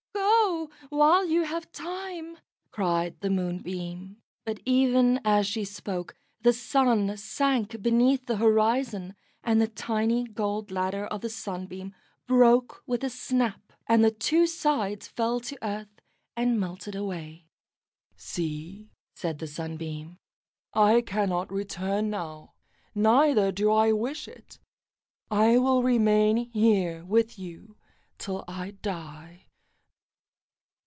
"Go, while you have time," cried the Moonbeam. But even as she spoke the Sun sank beneath the horizon, and the tiny gold ladder of the Sunbeam broke with a snap, and the two sides fell to earth and melted away. "See," said the Sunbeam, "I cannot return now, neither do I wish it. I will remain here with you till I die."